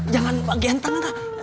jangan pakai ganteng enggak